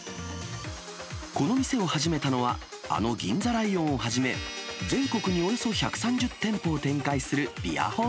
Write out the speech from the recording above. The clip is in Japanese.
この店を始めたのは、あの銀座ライオンをはじめ、全国におよそ１３０店舗を展開す